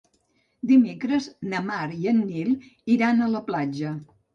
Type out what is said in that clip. Dimecres na Mar i en Nil iran a la platja.